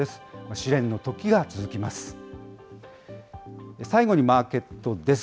試練のときが続きます。